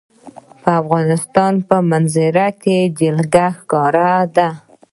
د افغانستان په منظره کې جلګه ښکاره ده.